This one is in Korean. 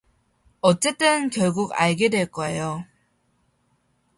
어쨌든 결국 알게 될 거예요.